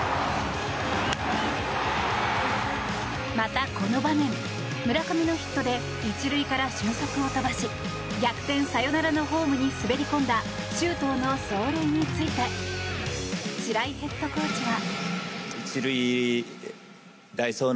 またこの場面、村上のヒットで１塁から俊足を飛ばし逆転サヨナラのホームに滑り込んだ周東の走塁について白井ヘッドコーチは。